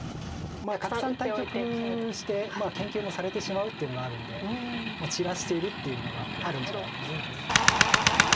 たくさん対局して研究もされてしまうというのがあるんで散らしているというのがあるんじゃないかと思います。